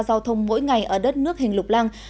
giao thông mỗi ngày ở đất nước hình lục lăng